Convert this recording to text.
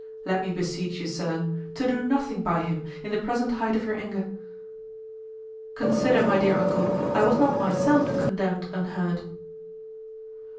Let me beseech you, sir, to do nothing by him in the present height of your anger. Consider, my dear uncle, I was not myself condemned unheard."